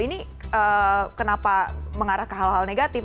ini kenapa mengarah ke hal hal negatif